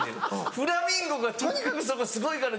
「フラミンゴがとにかくそこすごいからね。